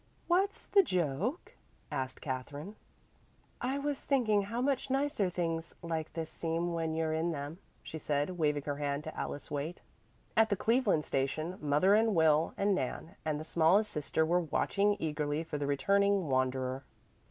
"What's the joke?" asked Katherine. "I was thinking how much nicer things like this seem when you're in them," she said, waving her hand to Alice Waite. At the Cleveland station, mother and Will and Nan and the smallest sister were watching eagerly for the returning wanderer.